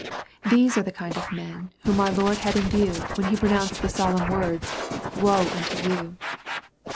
— These are the kind of men whom our Lord had in view when He pronounced the solemn words, ^^ Woe, woe unto you."